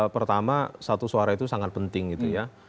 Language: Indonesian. pertama satu suara itu sangat penting gitu ya